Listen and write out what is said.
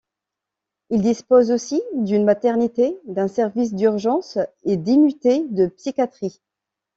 Il dispose aussi d'une maternité, d'un service d’urgences et d'unités de psychiatrie.